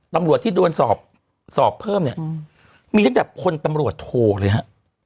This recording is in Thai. ตำรวจที่โดนสอบสอบเพิ่มเนี่ยมีตั้งแต่พลตำรวจโทเลยฮะ